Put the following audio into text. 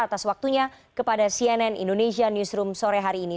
atas waktunya kepada cnn indonesia newsroom sore hari ini